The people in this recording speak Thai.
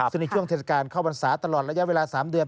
ซึ่งในช่วงเทศกาลเข้าบรรษาตลอดระยะเวลา๓เดือน